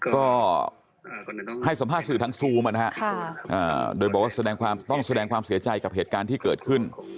ก็ให้สัมภาษณ์สื่อทางซูมนะฮะโดยบอกว่าต้องแสดงความเสียใจกับเหตุการณ์ที่เกิดขึ้น